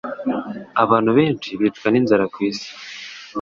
Abantu benshi bicwa ninzara kwisi.